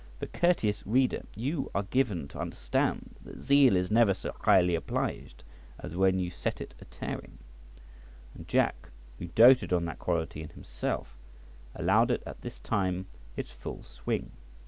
For, courteous reader, you are given to understand that zeal is never so highly obliged as when you set it a tearing; and Jack, who doted on that quality in himself, allowed it at this time its full swing.